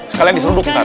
sekalian diseruduk muntar